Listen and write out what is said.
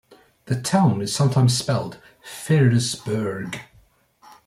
The town is sometimes spelled Ferrisburg.